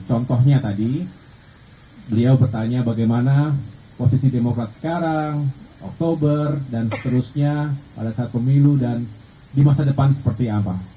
contohnya tadi beliau bertanya bagaimana posisi demokrat sekarang oktober dan seterusnya pada saat pemilu dan di masa depan seperti apa